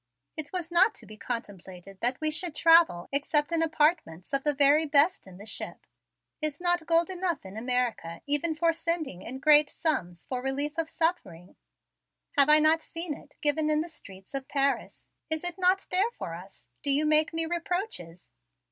It was not to be contemplated that we should travel except in apartments of the very best in the ship. Is not gold enough in America even for sending in great sums for relief of suffering? Have I not seen it given in the streets of Paris? Is it not there for us? Do you make me reproaches?"